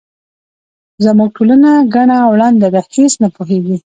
زموږ ټولنه کڼه او ړنده ده هیس نه پوهیږي.